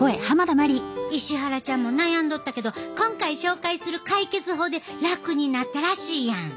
石原ちゃんも悩んどったけど今回紹介する解決法で楽になったらしいやん。